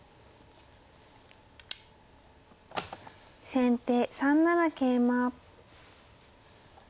先手３七桂馬。